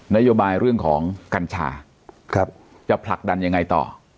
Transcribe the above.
นโยบายเรื่องของกัญชาจะผลักดันยังไงต่อ